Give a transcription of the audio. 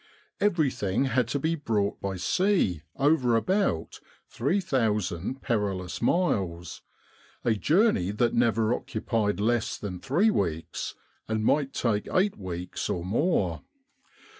Everything had to be brought by sea over about 3,000 perilous miles, a journey that never occupied less than three weeks, and might take eight weeks or more.